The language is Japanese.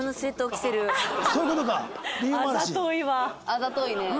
あざといわ！